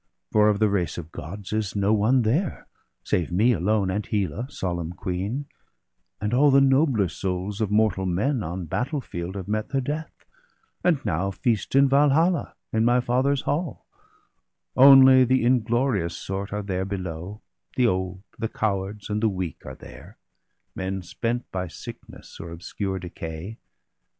For of the race of Gods is no one there, Save me alone, and Hela, solemn queen; And all the nobler souls of mortal men On battle field have met their death, and now Feast in Valhalla, in my father's hall; Only the inglorious sort are there below, The old, the cowards, and the weak are there — Men spent by sickness, or obscure decay.